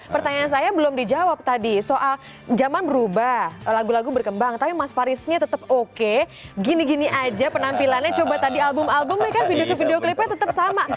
pertanyaan saya belum dijawab tadi soal zaman berubah lagu lagu berkembang tapi mas farisnya tetap oke gini gini aja penampilannya coba tadi album album deh kan video video klipnya tetap sama